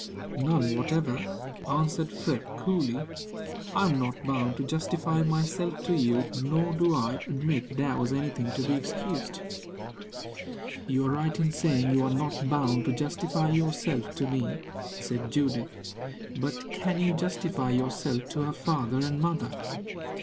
"None whatever," answered Freke, coolly. "I am not bound to justify myself to you, nor do I admit there was anything to be excused." "You are right in saying you are not bound to justify yourself to me," said Judith; "but can you justify yourself to her father and mother?